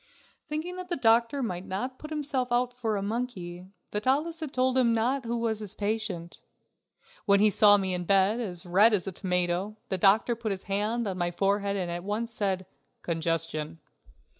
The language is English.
Thinking that the doctor might not put himself out for a monkey, Vitalis had not told him who was his patient. When he saw me in bed, as red as a tomato, the doctor put his hand on my forehead and said at once: "Congestion."